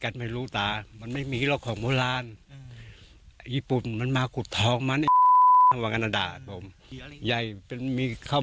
เดี๋ยวนั้นลุงมูธเข้าไปข้างในนั้น